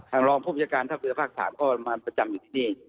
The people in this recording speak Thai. จะรอผู้บิชการภาคศาสตร์ก็มาประจำอยู่ที่นี่